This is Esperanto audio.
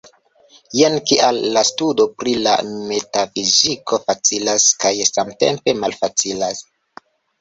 Jen kial la studo pri la metafiziko facilas kaj samtempe malfacilas.